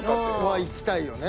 はいきたいよね。